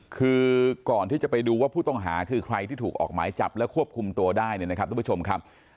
คือก่อนที่จะไปดูว่าผู้ต้องหาคือใครที่ถูกออกหมายจับและควบคุมตัวได้เนี่ยนะครับทุกผู้ชมครับ